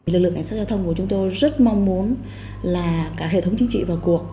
lực lượng cảnh sát giao thông của chúng tôi rất mong muốn là cả hệ thống chính trị vào cuộc